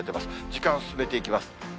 時間進めていきます。